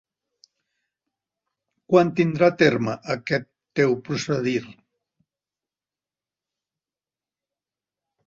Quan tindrà terme aquest teu procedir?